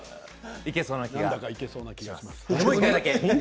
いけそうな気がします。